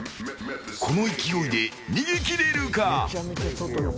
この勢いで逃げ切れるか。